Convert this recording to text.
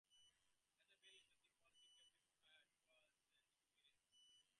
As a variation, the quesadillas can be fried in oil to make "quesadillas fritas".